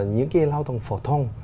những cái lao động phổ thông